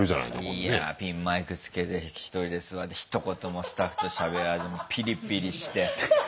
いいやピンマイクつけて１人で座ってひと言もスタッフとしゃべらずピリピリして。